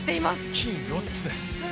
金４つです。